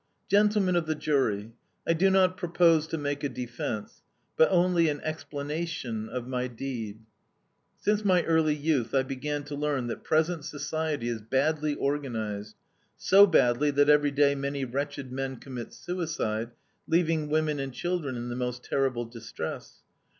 "Gentlemen of the Jury! I do not propose to make a defense, but only an explanation of my deed. "Since my early youth I began to learn that present society is badly organized, so badly that every day many wretched men commit suicide, leaving women and children in the most terrible distress.